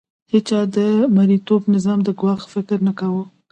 هیڅ چا د مرئیتوب نظام د ګواښ فکر نه کاوه.